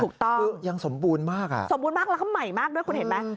ถูกต้องคือยังสมบูรณ์มากอ่ะสมบูรณ์มากแล้วก็ใหม่มากด้วยคุณเห็นไหม